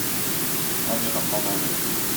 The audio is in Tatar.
Тыштан йозаклап алды.